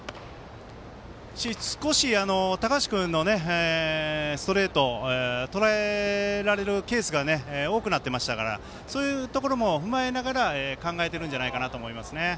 少し高橋君のストレートとらえられるケースが多くなってましたからそういうところも踏まえながら考えているんじゃないかと思います。